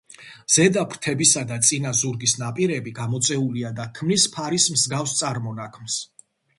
ზედა ფრთებისა და წინა ზურგის ნაპირები გამოწეულია და ქმნის ფარის მსგავს წარმონაქმნს.